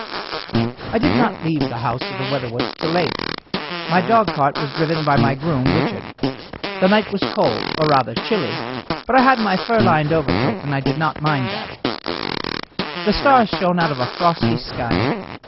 I did not leave the house of the Weatherwoods till late. My dogcart was driven by my groom, Richard. The night was cold, or rather chilly, but I had my fur lined overcoat, and did not mind that. The stars shone out of a frosty sky.